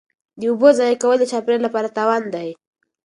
د اوبو ضایع کول د چاپیریال لپاره تاوان دی.